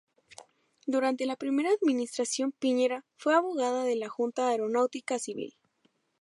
Durante la primera administración Piñera fue abogada de la Junta Aeronáutica Civil.